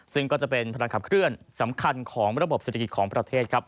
ซึ่งก็จะเป็นพลังคับเคลื่อนสำคัญของระบบศิลปิศาสตร์ของประเทศ